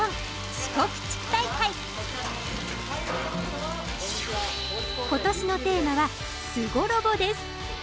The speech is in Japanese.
四国地区大会今年のテーマは「すごロボ」です。